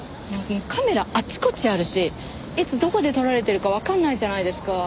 カメラあちこちあるしいつどこで撮られてるかわからないじゃないですか。